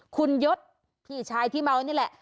คุณยศพี่ชายที่เมานี่แหละ